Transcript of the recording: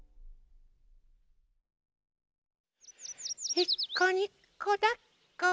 「いっこにこだっこ」